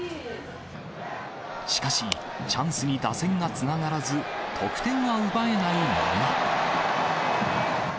しかし、チャンスに打線がつながらず、得点は奪えないまま。